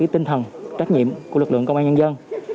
tinh thần trách nhiệm của lực lượng công an nhân dân